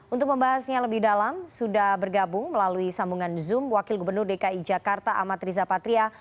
untuk membahasnya lebih dalam sudah bergabung melalui sambungan zoom wakil gubernur dki jakarta amat riza patria